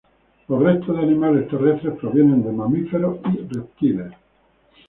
Los restos de animales terrestres provenían de mamíferos y reptiles.